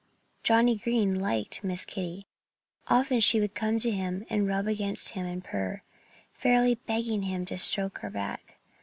Johnnie Green liked Miss Kitty. Often she would come to him and rub against him and purr, fairly begging him to stroke her back.